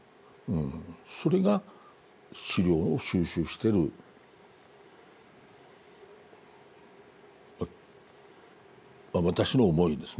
それが資料を収集している私の思いですね。